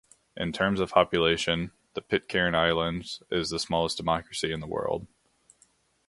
In terms of population, the Pitcairn Islands is the smallest democracy in the world.